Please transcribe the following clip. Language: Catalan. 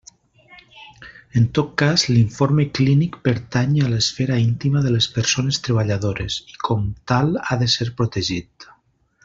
En tot cas, l'informe clínic pertany a l'esfera íntima de les persones treballadores i com tal ha de ser protegit.